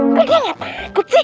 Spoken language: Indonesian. kok dia gak takut sih